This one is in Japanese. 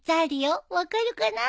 分かるかな？